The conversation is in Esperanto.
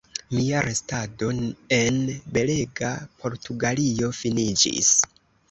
Mia restado en belega Portugalio finiĝis.